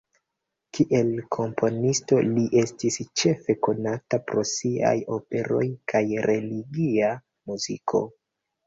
Kiel komponisto li estis ĉefe konata pro siaj operoj kaj religia muziko.